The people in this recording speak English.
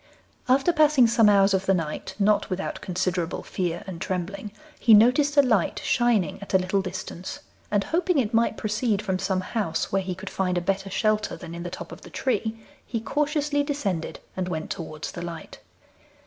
After passing some hours of the night, not without considerable fear and trembling, he noticed a light shining at a little distance, and hoping it might proceed from some house where he could find a better shelter than in the top of the tree, he cautiously descended and went towards the light.